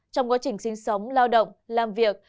trong quá trình sinh sống lao động làm việc